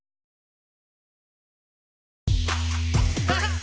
はい。